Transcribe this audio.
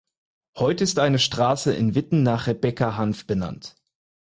Heute ist eine Straße in Witten nach Rebecca Hanf benannt.